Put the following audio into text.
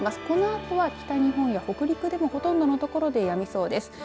このあとは北日本や北陸でもほとんどの所でやみそうです。